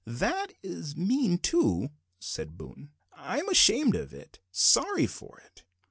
"That is mean, too," said Boone; "I'm ashamed of it; sorry for it.